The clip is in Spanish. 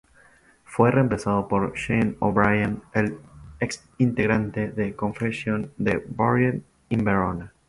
Fue reemplazado por Shane O'Brien, ex integrante de Confession y de Buried In Verona.